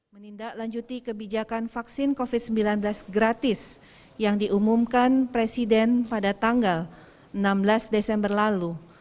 menindaklanjuti kebijakan vaksin covid sembilan belas gratis yang diumumkan presiden pada tanggal enam belas desember lalu